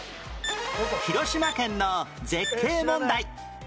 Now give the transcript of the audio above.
広島県の絶景問題